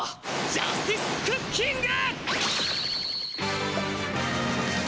ジャスティスクッキング！